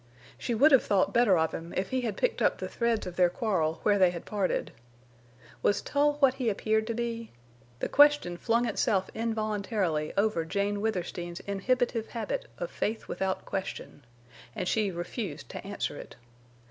She would have thought better of him if he had picked up the threads of their quarrel where they had parted. Was Tull what he appeared to be? The question flung itself in voluntarily over Jane Withersteen's inhibitive habit of faith without question. And she refused to answer it.